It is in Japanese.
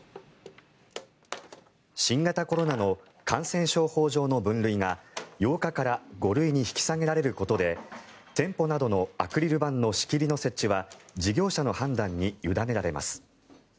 新型コロナの感染法上の分類が８日から５類に引き下げられることで店舗などのアクリル板の仕切りの設置は事業者の判断に委ねられます。